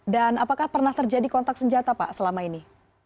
dan apakah pernah terjadi kontak senjata pak selama ini